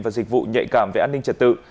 và dịch vụ nhạy cảm về an ninh trật tự